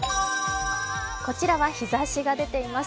こちらは日ざしが出ています。